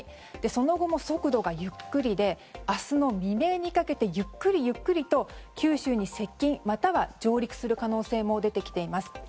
その後も速度がゆっくりで明日の未明にかけてゆっくりゆっくりと九州に接近または上陸する可能性も出てきています。